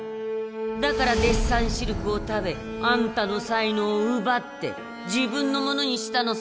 だからデッサン汁粉を食べあんたの才能をうばって自分のものにしたのさ！